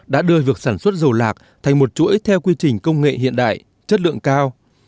đã đưa việc sản xuất dầu lạc thành một chuỗi theo quy trình công nghệ hiện đại chất lượng cao